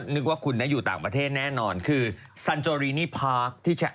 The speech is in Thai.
นึกว่าคุณอยู่ต่างประเทศแน่นอนคือซันโจรีนี่พาร์คที่จะ